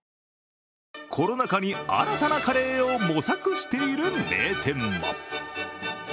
コロナ禍に新たなカレーを模索している名店も。